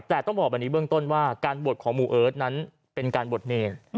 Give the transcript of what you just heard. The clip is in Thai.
แต่ต้องบอกแบบนี้เบื้องต้นว่าการบวชของหมู่เอิร์ทนั้นเป็นการบวชเนร